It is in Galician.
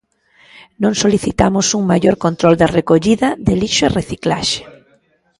Non solicitamos un maior control da recollida de lixo e reciclaxe.